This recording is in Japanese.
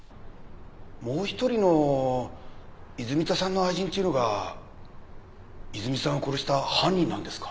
もう一人の泉田さんの愛人っていうのがいずみさんを殺した犯人なんですか？